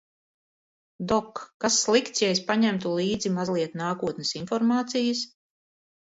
Dok, kas slikts, ja es paņemtu līdzi mazliet nākotnes informācijas?